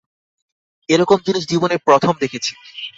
এরকম জিনিস জীবনে প্রথম দেখছি।